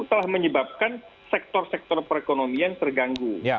telah menyebabkan sektor sektor perekonomian terganggu